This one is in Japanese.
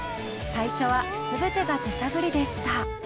最初は全てが手探りでした。